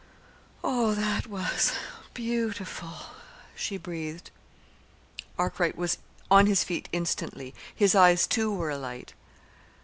"Oh, that was beautiful," she breathed. Arkwright was on his feet instantly. His eyes, too, were alight.